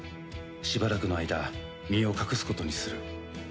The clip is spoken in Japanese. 「しばらくの間身を隠すことにする」